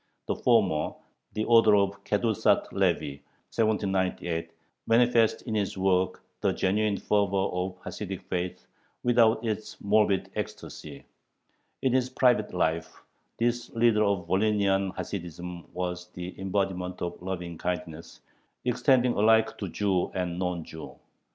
The former, the author of Kedushath Levi (1798), manifests in his work the genuine fervor of Hasidic faith, without its morbid ecstasy. In his private life this leader of Volhynian Hasidism was the embodiment of lovingkindness, extending alike to Jew and non Jew.